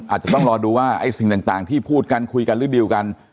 อาจจะต้องรอดูว่าไอ้สิ่งต่างที่พูดกันคุยกันหรือดีลกัน